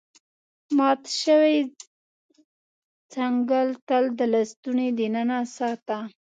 مات شوی څنګل تل د لستوڼي دننه ساته.